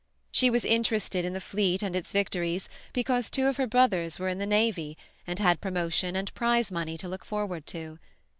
She was interested in the fleet and its victories because two of her brothers were in the navy and had promotion and prize money to look forward to.